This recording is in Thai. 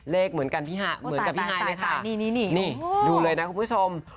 เหมือนกันพี่หะเหมือนกับพี่ฮายเลยค่ะนี่ดูเลยนะคุณผู้ชม